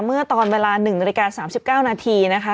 เมื่อตอนเวลา๑นาฬิกา๓๙นาทีนะคะ